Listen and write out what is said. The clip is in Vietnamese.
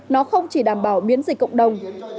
nó không chỉ đảm bảo miễn dịch cộng đồng